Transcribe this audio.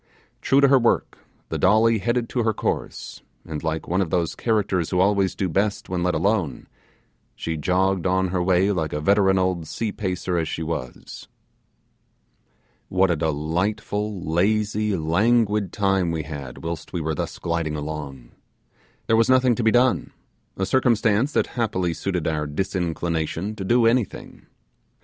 True to her work, the Dolly headed to her course, and like one of those characters who always do best when let alone, she jogged on her way like a veteran old sea pacer as she was. What a delightful, lazy, languid time we had whilst we were thus gliding along! There was nothing to be done; a circumstance that happily suited our disinclination to do anything.